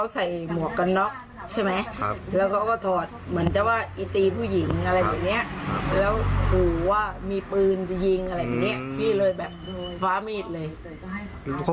พี่บอกว่ากูจะขายของมึงออกไปเลยนะ